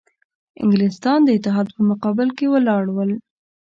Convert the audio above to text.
انګلیسیان د اتحاد په مقابل کې ولاړ ول.